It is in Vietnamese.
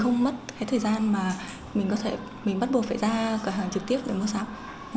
nên mình bắt buộc phải ra cửa hàng trực tiếp để mua sản phẩm